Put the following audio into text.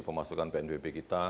pemasukan pnbp kita